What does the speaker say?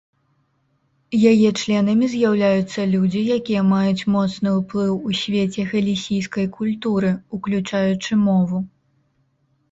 Яе членамі з'яўляюцца людзі, якія маюць моцны ўплыў у свеце галісійкай культуры, уключаючы мову.